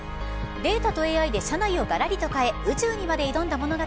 データとＡＩで社内をがらりと変え宇宙にまで挑んだ物語。